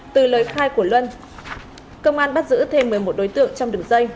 từ lời khai của luân công an bắt giữ thêm một mươi một đối tượng trong đường dây